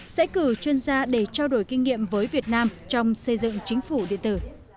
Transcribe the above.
sẽ cử chuyên gia để trao đổi kinh nghiệm với việt nam trong xây dựng chính phủ điện tử